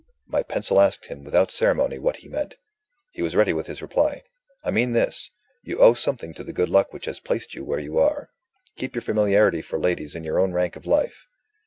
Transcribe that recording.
My pencil asked him, without ceremony, what he meant. He was ready with his reply. "I mean this: you owe something to the good luck which has placed you where you are. Keep your familiarity for ladies in your own rank of life."